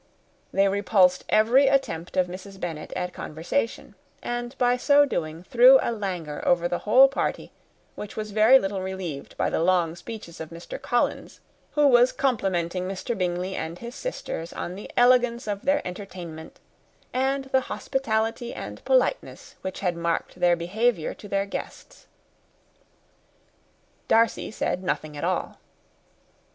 They repulsed every attempt of Mrs. Bennet at conversation, and, by so doing, threw a languor over the whole party, which was very little relieved by the long speeches of Mr. Collins, who was complimenting Mr. Bingley and his sisters on the elegance of their entertainment, and the hospitality and politeness which had marked their behaviour to their guests. Darcy said nothing at all.